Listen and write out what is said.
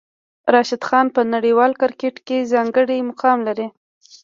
راشد خان په نړیوال کرکټ کې ځانګړی مقام لري.